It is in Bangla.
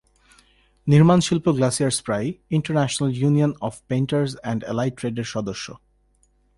নির্মাণ-শিল্প গ্লাসিয়ার্স প্রায়ই international union of painters and allied ট্রেডের সদস্য।